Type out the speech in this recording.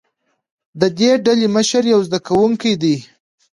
د دې ډلې مشر یو زده کوونکی دی.